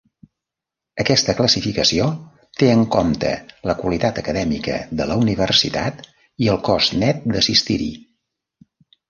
Aquesta classificació té en compte la qualitat acadèmica de la universitat i el cost net d'assistir-hi.